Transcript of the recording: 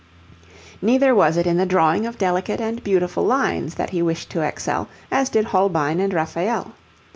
Neither was it in the drawing of delicate and beautiful lines that he wished to excel, as did Holbein and Raphael.